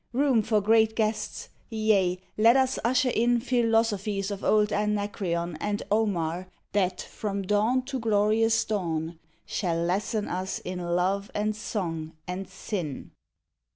Room for great guests! Yea, let us usher in Philosophies of old Anacreon And Omar, that, from dawn to glorious dawn, Shall lesson us in love and song and sin.